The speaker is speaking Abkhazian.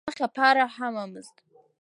Анахь аԥара ҳамамызт.